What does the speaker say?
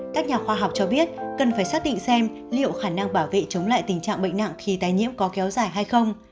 các nhà khoa học cho biết cần phải xác định xem liệu khả năng bảo vệ chống lại tình trạng bệnh nặng khi tái nhiễm có kéo dài hay không